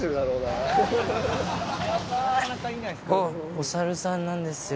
おサルさんなんですよ。